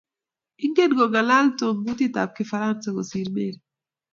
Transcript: ingen kongalal tom kutitab kifaransa kosiir Mary